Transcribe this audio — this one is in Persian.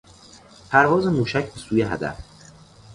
پرواز موشک به سوی هدف